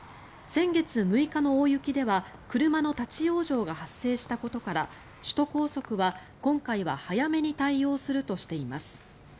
先月６日の大雪では車の立ち往生が発生したことから首都高速は今回は早めに対応するとしています。